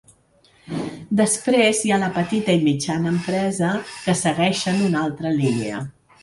Després hi ha la petita i mitjana empresa, que segueixen una altra línia.